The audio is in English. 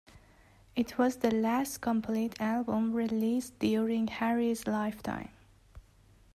It was the last complete album released during Harry's lifetime.